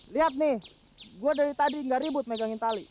lihat nih gue dari tadi nggak ribut megangin tali